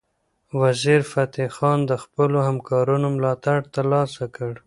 وزیرفتح خان د خپلو همکارانو ملاتړ ترلاسه کړ.